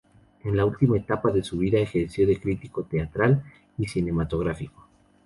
En la última etapa de su vida ejerció de crítico teatral y cinematográfico.